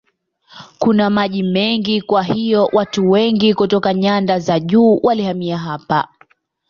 Kuna maji mengi kwa hiyo watu wengi kutoka nyanda za juu walihamia hapa.